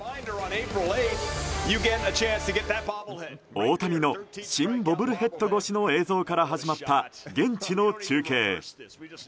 大谷の新ボブルヘッド越しの映像から始まった現地の中継。